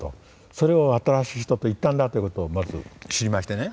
それを「新しい人」と言ったんだということをまず知りましてね。